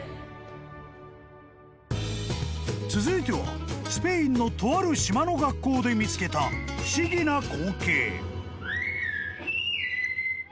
［続いてはスペインのとある島の学校で見つけた不思議な光景］